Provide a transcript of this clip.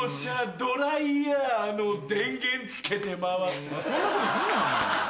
ドライヤーの電源つけて回ったそんなことするなよ